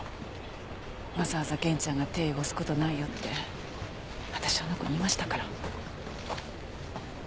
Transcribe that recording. わざわざ源ちゃんが手汚す事ないよって私あの子に言いましたから。